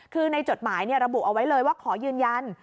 คือในจดหมายระบุเอาไว้เลยว่าขอยืนยัน